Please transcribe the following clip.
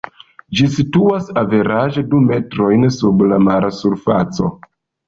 Ĝi situas averaĝe du metrojn sub la mar-surfaco.